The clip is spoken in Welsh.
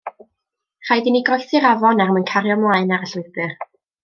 Rhaid i ni groesi'r afon er mwyn cario 'mlaen ar y llwybr.